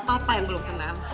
papa yang belum kenal